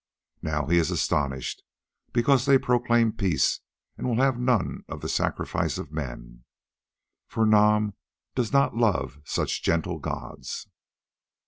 Now he is astonished because they proclaim peace and will have none of the sacrifice of men, for Nam does not love such gentle gods."